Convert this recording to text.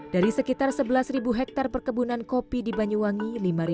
dari sekitar sebelas hektare perkebunan kopi di banyuwangi